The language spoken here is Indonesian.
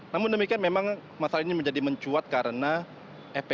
namun demikian memang masalah ini menjadi mencuat karena fpi